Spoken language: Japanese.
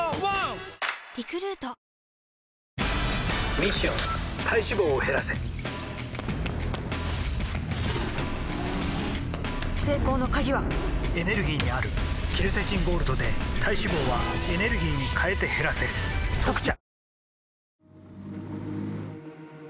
ミッション体脂肪を減らせ成功の鍵はエネルギーにあるケルセチンゴールドで体脂肪はエネルギーに変えて減らせ「特茶」